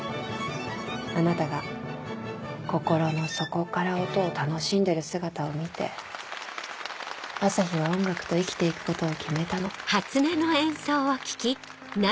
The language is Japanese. あなたが心の底から音を楽しんでる姿を見て朝陽は音楽と生きていくことを決めたの。